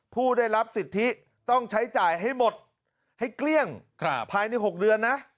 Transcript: ผู้ได้รับสิทธิต้องใช้จ่ายให้หมดให้เกลี้ยงภายใน๖เดือนนะ